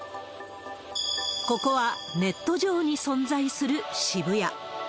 ここはネット上に存在する渋谷。